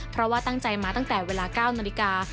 เพราะว่าตั้งใจมาตั้งแต่เวลา๙นาฬิกา